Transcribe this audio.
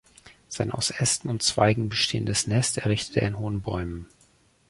Sein aus Ästen und Zweigen bestehendes Nest errichtet er in hohen Bäumen.